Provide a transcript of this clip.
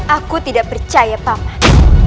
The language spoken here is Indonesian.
aku tidak percaya pak mas